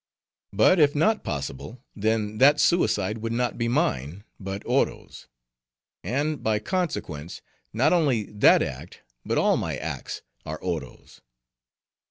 But if not possible, then that suicide would not be mine, but Oro's. And, by consequence, not only that act, but all my acts, are Oro's.